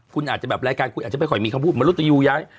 คุณอาจจะแบบรายการคุยอาจจะไปคอยมีคำพูด